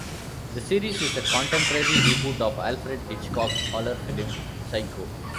The series is a contemporary reboot of Alfred Hitchcock's horror film "Psycho".